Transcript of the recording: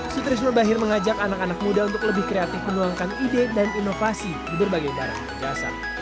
sutrisno bahir mengajak anak anak muda untuk lebih kreatif menuangkan ide dan inovasi di berbagai daerah jasa